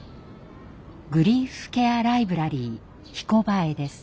グリーフケアライブラリー「ひこばえ」です。